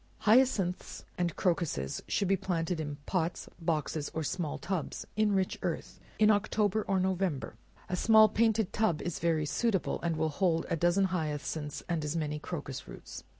Hyacinths and crocuses should be planted in pots, boxes, or small tubs, in rich earth, in October or November; a small painted tub is very suitable, and will hold a dozen hyacinths, and as many crocus roots.